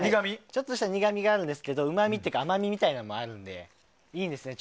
ちょっとした苦みがあるんですけどうまみというか甘味みたいなのがあるんですよね。